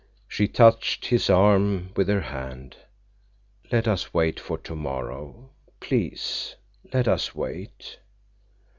She touched his arm with her hand. "Let us wait for tomorrow. Please—let us wait."